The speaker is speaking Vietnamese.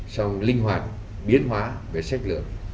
song linh hoạt biến hóa về sách lượng